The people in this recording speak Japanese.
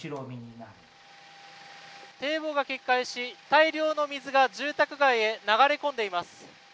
堤防が決壊し、大量の水が住宅街へ流れ込んでいます。